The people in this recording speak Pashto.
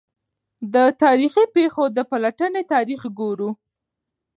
د تا ریخي پېښو د پلټني تاریخ ګورو.